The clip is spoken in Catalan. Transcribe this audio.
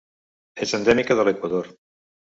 És endèmica de l'Equador.